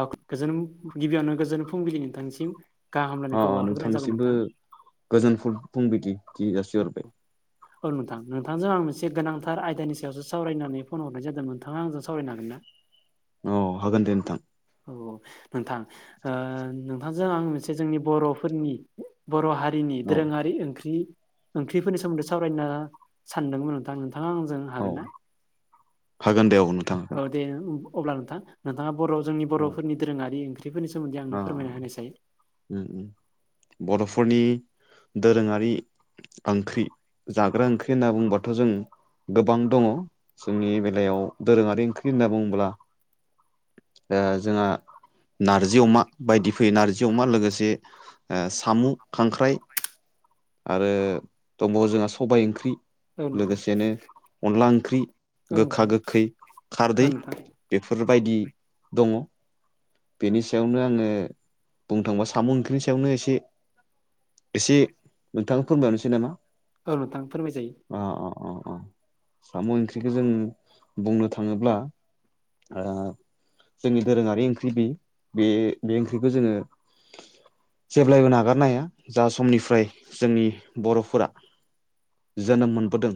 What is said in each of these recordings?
औ गोजोन गिबियावनो गोजोन फुंबिलि नोंथांनिसिम गाहाम अ हामलायनायखौ बाउहरग्रोनाय जाबाय नोंथांनिसिमबो नोंथाङा गोजोन फुंल-फुंबिलि जासिहरबाय औ नोंथां नोंथांजों आं मोनसे गोनांथार आयदानि सायावसो सावरायनो होननानै फन हरनाय जादों नोंथाङा आंजों सावरायनो हागोन ना औ हागोन दे नोंथां औ औ नोंथां ओ नोंथांजों आं मोनसे जोंनि बर'फोरनि बर' हारिनि औ दोरोङारि ओंख्रि ओंख्रिफोरनि सोमोनदै सावरायनो सानदोंमोन नोंथां नोंथाङा आंजों औ हागोन ना हागोन दे औ नोंथां औ हागोन दे अब्ला नोंथां नोंथाङा बर' जोंनि औ बर'फोरनि दोरोङारि ओंख्रि अ उम उम बर'फोरनि दोरोङारि ओंख्रि जाग्रा ओंख्रि होनना बुंबाथ' जों गोबां दङ जोंनि बेलायाव दोरोङारि ओंख्रि होनना बुंबोला ओ जोंहा नारजि नारजि अमा बायदि फैयो नारजि अमा लोगोसे ओ सामु खांख्राइ आरो दंबावो जोंहा सबाय ओंख्रि औ नोंथां लोगोसेनो अनला ओंख्रि औ गोखा नोंथां गोखै खारदै औ नोंथां बेफोर बायदि दङ बेनि सायावनो आङो बुंनो थांबा सामु ओंख्रिनि सायावनो एसे एसे नोंथां फोरमायहरनोसै नामा औ नोंथां फोरमायजायो अ अ अ साम' ओंख्रिखो जों बुंनो थाङोब्ला ओ जोंनि दोरोङारि ओंख्रि बि बे बे ओंख्रिखौ जोङो जेब्लायबो नागारनो हाया जा समनिफ्राय जोंनि बर'फोरा जोनोम मोनबोदों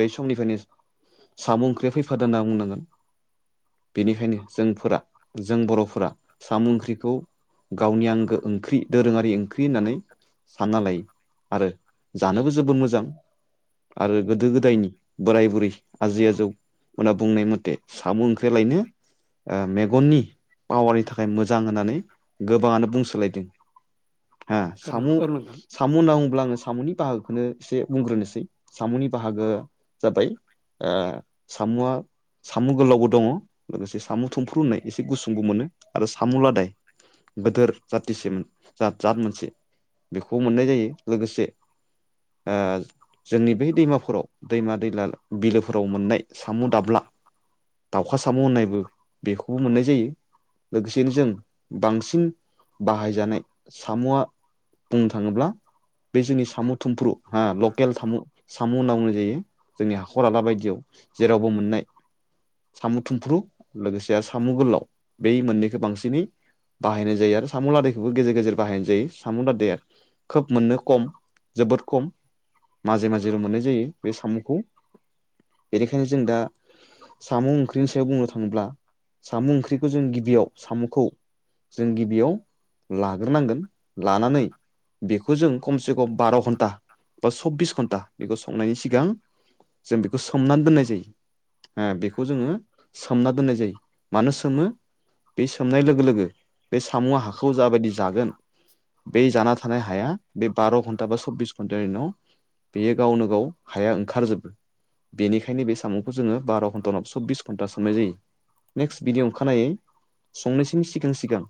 बै समनिफायनो साम' ओंख्रिया फैफादों होनना बुंनांगोन बेनिखायनो जोंफोरा जों बर'फोरा साम' ओंख्रिखौ गावनि आंगो ओंख्रि दोरोङारि ओंख्रि होननानै सानना लायो आरो जानोबो जोबोद मोजां आरो गोदो गोदायनि बोराय बुरि आजै आजौ । मोना बुंनाय मथे साम ओंख्रि लायनो ओ मेगननि पावारनि था खाय मोजां होननानै गोबाङानो बुंसोलायदों । हा सामु औ नोंथां। सामु होननानै बुङोब्ला आङो सामुनि । बाहागोखौनो एसे बुंग्रोनोसै सामुनि बाहागो जाबाय । ओ सामुवा सामु गोलावबो दङ लोगोसे सामु थुमफ्रु होननाय एसे गुसुंबो मोनो आरो सामु लादाय गोदोर जाथिसिम जा जाथ मोनसे बेखौ मोननाय जायो । लोगोसे ओ जोंनि बै दैमाफोराव दैमा दैला बिलोफोराव मोननाय सामु दाब्ला दाउखा साम होननायबो बेखौबो मोननाय जायो । लोगोसेनो जों बांसिन बाहायजानाय सामुआ बुंनो थाङोब्ला बे जोंनि सामु थुमफ्रु हा लकेल थामु सामु होनना बुंनाय जायो जोंनि हाखर हाला बायदियाव जेरावबो मोननाय सामु थुमफ्रु लोगोसे सामु गोलाव बै मोननैखो बांसिनै बाहायनाय जायो आरो साम लादायखौबो गेजेर गेजेर बाहायनाय जायो साम लादाया खोब मोननो खम जोबोद खम माजे माजेल मोननाय जायो बे सामुखौ बेनिखायनो जों दा सामु ओंख्रिनि सायाव बुंनो थाङोब्ला सामु ओंख्रि खौजों गिबियाव सामुखौ जों गिबियाव लाग्रोनांगोन लानानै । बेखौ जों खमसे खम बार घन्टा बा सबबिस घन्टा । बेखौ संनायनि सिगां जों बेखौ सोमनानै दोननाय जायो हो बेखौ जोङो सोमना दोननाय जायो मानो सोमो बे सोमनाय लोगो लोगो बे सामुआ हाखौ जाबायदि जागोन बे जाना थानाय हाया बे बार घन्टा बा सबबिस घन्टानि उनाव बेयो गावनो गाव हाया ओंखारजोबो बेनिखायनो बे सामुखौ जोङो बार घन्टा [unintelligible] सबबिस घन्टा सोमनाय जायो । नेक्स बिनि अंखानायै । संनैसिम सिगां सिगां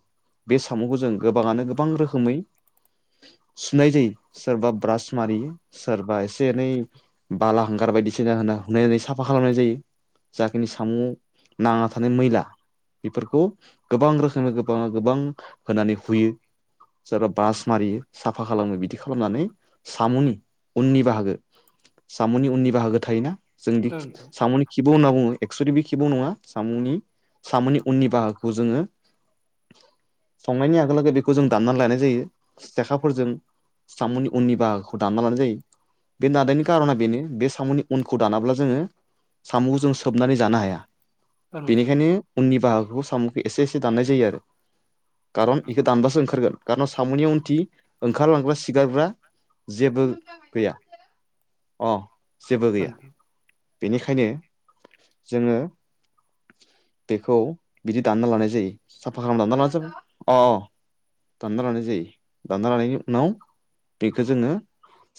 बे सामुखौ जों गोबाङानो गोबां रोखोमै । सुनाय जायो सोरबा ब्रास मारियो सोरबा एसे एनै । बालाहांगार बायदिसिना होना हुनायनै साफा खालामनाय जायो जाखिनि सामु नांना थानाय मैला बेफोरखौ गोबां रोखोमै गोबाङा गोबां होनानै हुयो । सोरबा बास मारियो साफा खालामो बिदि खालामनानै सामुनि उननि बाहागो सामुनि उननि बाहागो थायोना जों दि औ नोंथां सामुनि खिबु होनना बुङो । एक्सुवेलि बे खिबु नङा सामुनि सामुनि उननि बाहागोखौ जोङो । संनायनि आगोल आगो बेखौ जों दामनानै लायनाय जायो सेेखाफोरजों । सामनि उननि बाहागोखौ दानना लानो जायो । बे दानायनि कारना बेनो बे सामुनि उनखौ दानाब्ला जोङो । सामुखौ जों सोबनानै जानो हाया औ नोंथां बेनिखायनो उननि बाहागोखौ साम'खौ एसे एसे दाननाय जायो आरो । खारन बेखौ दानबासो ओंखारगोन खारन साम'नि उनथि ओंखारलांग्रा सिगारग्रा जेबो गैया अ जेबो औ गैया नोंथां । बेनिखायनो जोङो बेखौ । बिदि दानना लानाय जायो साफा खालामना अ दानना लानाय जायो दानना लानायनि उनाव । बेखौ जोङो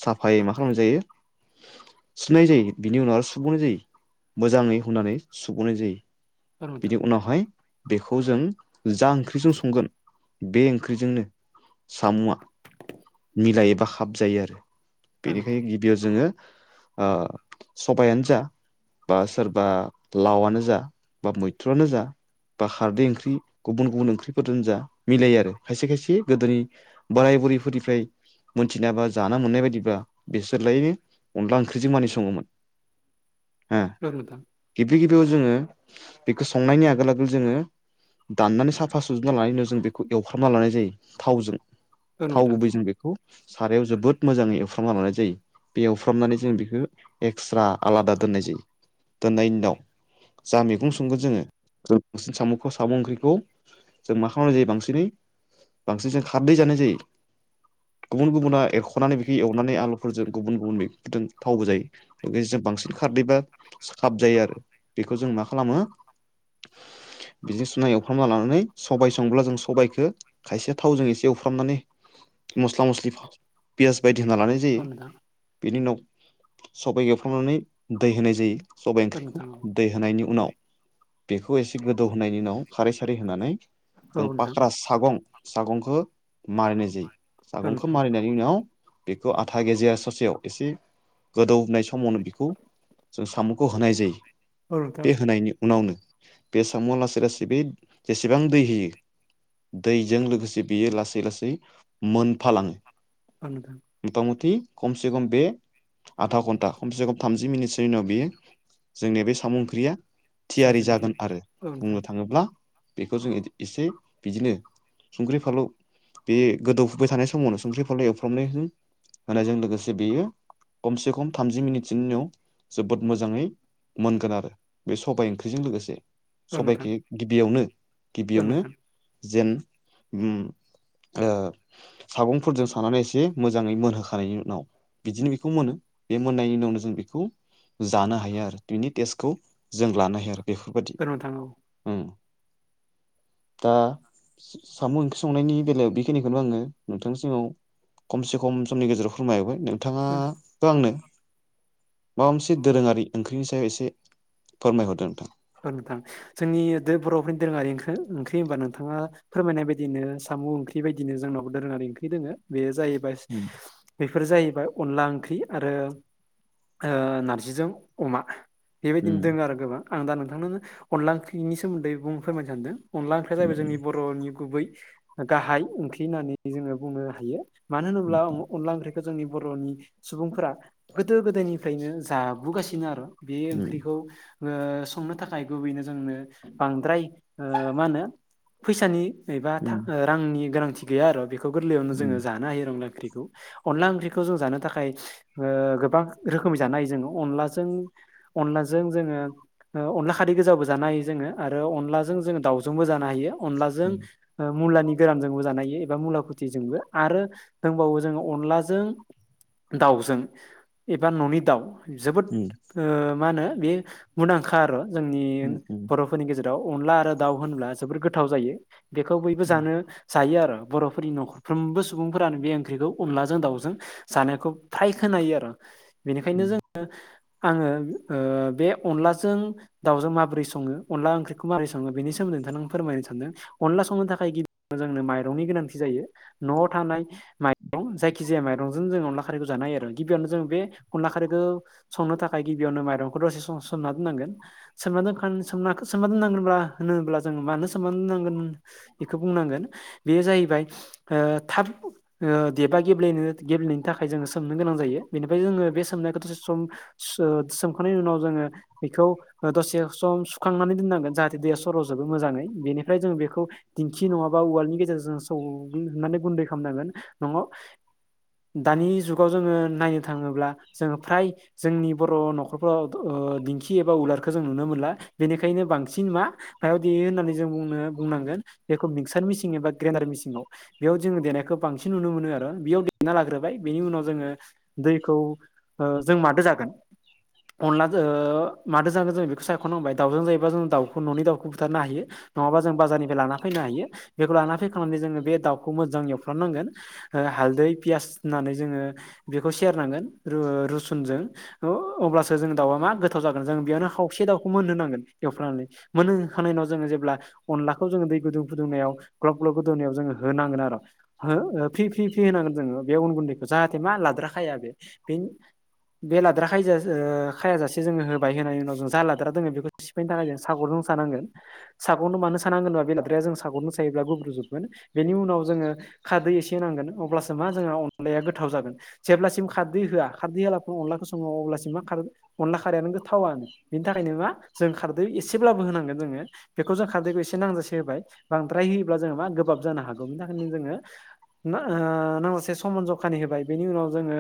साफायै मा खालामनाय जायो । सुनाय जायो बिनि उनाव आरो सुबावनाय जायो मोजाङै हुनानै सुबावनाय जायो । [inaudible] बेखौ जों जा ओंख्रिजों संगोन । बे ओंख्रिजोंनो साम'आ मिलायोबा खाबजायो आरो । औ नोंथां बेनिखायनो गिबियाव जोङो ओ सबायानो जा बा सोरबा लावआनो जा बा मैथ्रुआनो जा बा खारदै ओंख्रि गुबुन गुबुन ओंख्रिफोरजों जा मिलायो आरो खायसे खायसे गोदोनि बा बोराय बुरैफोरनिफ्राय मोनथिनायबा जाना मोननाय बायदिबा बिसोरलायनो अनला ओंख्रिजों मानि सङोमोन । ह औ नोंथां गिबि गिबियाव जोङो बेखौ संनायनि आगोल आगो ल जोङो दाननानै साफा सुजुना लानानैनो जों बेखौ एवफ्रामना लानाय जायो थावजों । औ थाव नोंथां गुबैजों बेखौ सारायाव जोबोद मोजाङै एवफ्रामना लानाय जायो । बे एवफ्रामनानै जों बेखौ एक्सट्रा आलादा दोननाय जायो दोननायनि उनाव जा मैगं संगोन जोङो बांसिन साम'खौ साम' ओंख्रिखौ जों मा खालामनाय जायो बांसिनै बांसिन जों खारदै जानाय जायो । गुबुन गुबुना एरख'नानै बेखौ एवनानै आलुफोरजों गुबुन गुबुन बेफोरजों थावबो जायो । बांसिन खारदैबा खाब जायो आरो बेखौ जों मा खालामो बिदि सुना एवफ्रामना लानानै सबाय संब्ला जों सबाइखौ खायसे थावजों एसे एवफ्रामनानै मस्ला मसलि पियास बायदि होना लानाय जायो औ नोंथां बेनि उनाव सबाय एवफ्रांनानै दै होनाय जायो । सबाइ औ ओंख्रिखौ नोंथां औ दै होनायनि उनाव बेखौ एसे गोदौ होनायनि उनाव खारै सारै होनानै औ जों नोंथां पाक्रास सागं सागंखो मारिनाय जायो औ सागंखौ नोंथां मारिनायनि उनाव बेखौ आथा गेजाया ससेयाव एसे गोदौनाय समावनो बिखौ जों साम'खौ होनाय जायो औ नोंथां बे होनायनि उनावनो बे साम'आ लासै लासै बे जेसेबां दै होयो दैजों लोगोसे बियो लासै लासै मोनफालाङो औ नोंथां । मटामटि कमसे कम बे आधा घन्टा खमसे खम थामजि मिनिटसोनि उनाव बेयो जोंनि बे साम' ओंख्रिया थियारि फिसाजोनिसो जागोन आरो औ नोंथां बुंनो थाङोब्ला बेखौ जों एसे बिदिनो संख्रि फानलौ बे गोदौफुबाय थानाय समावनो संख्रि फानलौ एवफ्रामनाय होनायजों लोगोसे बेयो खमसे खम थामजि मिनिटसिनोनि जोबोद मोजाङै मोनगोन आरो बे सबाय ओंख्रिजों लोगोसे औ नोंथां सबाइखो गिबियावनो औ गिबियावनो नोंथां जेन उम ओ सागंफोरजों सानानै एसे मोजाङै मोनहोखांनायनि उनाव बिदिनो बेखौ मोनो बे मोननायनि उनावनो जों बेखौ जानो हायो आरो बिनि टेस्टखौ जों लानो हायो आरो बेफोरबायदि औ नोंथां औ औ दा सा-साम' ओंख्रि संनायनि बेलायाव बेखिनिखौनो आंङो नोंथांनि सिगांङाव खमसे खम समनि गेजेराव फोरमायहबाय नोंथाङाबो आंनो माबा मोनसे दोरोङारि ओंख्रिनि सायाव एसे फोरमायहरदो नोंथां ओ नोंथां जोंनि बर'फोरनि दोरोङारि ओंख्रि हबा नोंथाङा फोरमायनाय बायदिनो सा मु ओंख्रि बायदिनो जोंनावबो दोरोङारि ओंख्रि दोंङो बेयो जाहैबाय उम बेफोर जाहै बाय अनला ओंख्रि आरो ओ नारजिजों अमा बेबायदिनो उम दोङो आरो गोबां आं दा नोंथांनो अनला ओंख्रिनि सोमोन्दै बुंनो फोरमायनो सानदों । अनला ओंख्रिया जाहैबाय जोंनि बर'नि गुबै गाहाय ओंख्रि होननानै जोङो बुंनो हायो । मानो होनोब्ला उम अनला ओंख्रि जोंनि बर'नि सुबुंफोरा गोदो गोदायनिफ्रायनो जाबोगासिनो आरो । बे उम ओंख्रिखौ ओ संनो थाखाय गुबैनो जोंनो बांद्राय ओ मा होनो फैसानि एबा था उम रांनि गोनांथि गैया आर' बेखौ गोरलैयावनो उम जोङो जानो हायो अनला ओंख्रि अनला ओंख्रिखौ जों जानो थाखाय ओ गोबां रोखोमै जानो हायो जोङो अनलाजों अनलाजों जोङो ओ अनला खारै गोजाबो जानो हायो जोङो आरो अनलाजों जोङो दाउजोंबो जानो हायो अनलाजों उम ओ मुलानि गोरानजोंबो जानो हायो एबा मुलाखुथिजोंबो आरो दोंबावो जोङो अनलाजों दाउजों एबा न'नि दाउ जोबोद ओ मा होनो बे मुंदांखा आरो जोंनि उम बर'फोरनि गेजेराव दाव अनला आरो दाउ होनोब्ला जोबोर गोथाव जायो बेखौ बयबो उम जानो जायो आरो बर'फोरनि न'खरफ्रोमबो सुबुंफोरानो बे ओंख्रिखौ अनलाजों दाउजों जानायखौ फ्राय खोनायो आरो बेनिखायनो उम जोङो आङो ओ बे अनलाजों दावजों माबोरै सङो अला ओंख्रिखौ माबोरै सङो बेनि सोमोन्दै नोंथां फोरमायनो सानदों अन अनला संनो थाखाय गिबियावनो जोंनो माइरंनि गोनां जायो न'आव थानाय मरं जायखि जाया मयरं जों जों अनला खारैखौ जानो हायो आरो गिबियावनो जों बे अनला खारैखौ संनो थाखाय गिबियावनो माइरंखौ दसे सम सोमना दोननांगोन सोमना दोनखा सोमोनना दोननांगोनब्ला होनोब्ला जोङ मानो सोमान दोननांगोन बेखौ बुंनांगोन बेयो जाहैबाय ओ थाब ओ देबा गेब्लेनो गेब बेनि थाखाय जोङो सोमनो गोनां जायो बेनिफ्राय जोङो बे सोमनायखौ सम ओ सोमखांनायनि उनाव जोङो बेखौ ओ दसे सम सुखांनानै दोननांगोन जाहाथे दैया सर'जोबो मोजाङै बेनिफ्राय जों बेखौ दिंखि नङाबा उवालनि गेजेरजों सौ होननानै गुन्दै खालामनांगोन नङाव दानि जुगाव जोङो नायनो थाङोब्ला जोङो फ्राय जोंनि बर' न'खरफोराव ओ दिं खि एबा उलारखौ जों नुनो मोनला बेनिखायनो बांसिन मा मायाव देयो होननानै जों बुंनो बुंनांगोन बेखौ मिक्सार मिसिन एबा ग्रेडार मिसिनाव बेयाव जोङो देनायखौ बांसिन नुनो मोनो आरो बेयाव देना लाग्रोबाय बेनि उनाव जोङो दैखौ ओ जों मादो जागोन अनलाजो ओ मादो जागोन जों बेखौ सायख नांबाय दावजों जायोब्ला जों दाखौ ननि दावखौ बुथारनो हायो नङाबा जों बाजारनिफ्राय लाना फैनो हायो बेखौ लाना फैखांनानै जोंङो बे दावखो मोजांयै एवफ्राननांगोन हालदै पियाज होनानै जोंङो बेखौ सेरनांगोन रु-रुसुनजों न अब्लासो जों दावा मा गोथाव जागोन ओ जों बेयावनो खावसे दावखौ मोन होनांगोन एवफ्रामनानै मोनहो खांनायनि उनाव जों जेब्ला अनलाखौ जोंङो दै गुद गुदुं फुदुंनायाव ग्लब ग्लब गोदौनायाव जोङो होनांगोन आर' हो ओ फ्रि फ्रि फ्रि होनांगोन जोंङो बे अन गुन्दैखौ जाहाथे मा लाद्रा खाया बे बे लाद्रा खाया ओ खायाजासे जोङो बाय होनायनि उनाव दोंङो लाद्रा दोंङो बेखौ सिफायनो थाखाय सागनजों सानांगोन सागनजों मानो सानांगोन होनोब्ला बे लाद्राया जों सागनजों सायोब्ला गुब्रुजोबगोन बेनि उनाव जोंङो खारदै एसे होनांगोन अब्लासो मां जोंहा अनलाया गोथाव जागोन जेब्लासिम खारदै होआ खारदै होला अनलाखौ सङो अब्लासिम मा अनला खारायानो गोथ थावानो बेनि थाखायनो मा जों खारदै एसेब्लाबो होनांगोन जोङो बेखौ जों खारदैखौ एसे नांजासे होबाय बांद्राय होयोब्ला जोङो मा गोबाब जानो हागौ बिनि थाखायनो जोङो ना ओ नांगौसे समान जखानि होबाय बेनि उनाव जोङो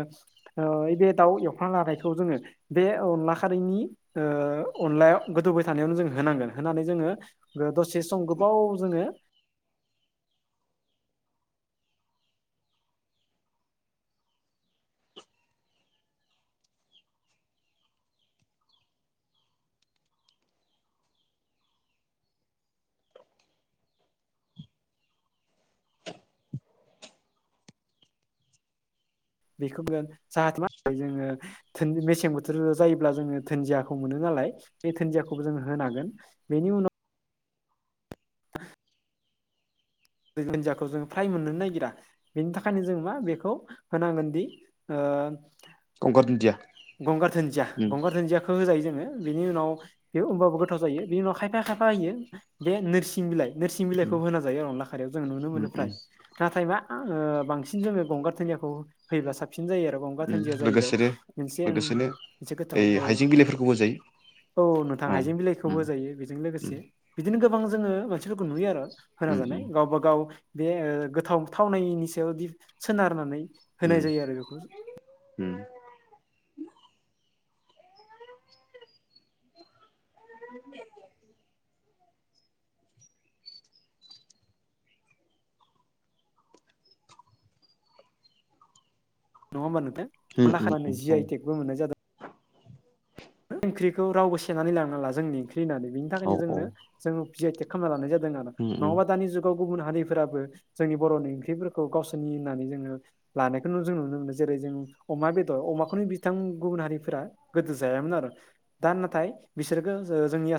बे दाउ एवखना लानायखौ जोंङो बे अनला खा खारैनि ओ अनलाया गोदौबाय थानायावनो जों होनांगोन होनानै जोंङो दसे सम गोबा बाव जोङो [inaudible] बेखौ जों जाहाथे मा जोङो मेसें बोथोर जायोब्ला जोङो धोनदियाखौ मोनो नाल लाय बे दुुनजदियाखौबो जों होनांगोन बेनि उनाव बे दुनजियाखौ जों फ्राय मोननो नायगिरा बेनि थाखायनो जों मा बेखौ होनांगोन दि ओ ओ गंगार दुन्दिया गंगार दुन्दिया उम गंगार दुन्दियाखौ होजायो जोङो बिनि उनाव बे होबाबो गोथाव जायो बेनि उनाव खायफा खायफा होयो बे नोरसिं बिलाइ नोरसिं उम बिलाइखौ होना जायो अन लाखारिायाव जों नुनो उम मोनो फ्राय उम नाथाय मा ओ बांसिन जोङो गंगार धुनदियाखौ होयोब्ला साबसिन जायो आरो गंगार धुनदिया जाहैबाय लोगोसेनो मोनसे ओं लोगोसेनो मोनसे गोथाव ओइ औ हाइजें बिलाइफोरखौबो जायो औ नोंथां औ हाइजें बिलाइखौ उम होजायो बेजों उम लोगोसे बिदि बिदिनो गोबां जोङो मानसिफोरखौ नुयो आरो होना उम जानाय उम गावबा गाव बे गोथाव थावनायनि सायाव सोनारनानै होनाय जायो आरो बेखौ उ [unintelligible] नङा होमबा नोंथां खनला उम उम खानानै जि उम आइ टेकबो मोननाय जादों ओंख्रिखौ रावबो सेनानै लाङा ला जोंनि ओंख्रि होननानै बेनि औ थाखायनो औ औ जोंनो जोङो जि आइ टेक खालामना लानाय जाय दों उम उम नङाबा दानि जुगाव गुबुन हारिफोराबो जोंनि बरनि ओंख्रिफोरखौ गावसोरनि होननानै जोङो लानायखौ जों नुनो मोनो जेरै जों अमा बेदर अमाखौनो बिथां गुबुन हारिफोरा गोदो जायामोन आरो दा नाथाय बिसोरखो जोंनि